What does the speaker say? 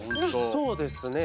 そうですね。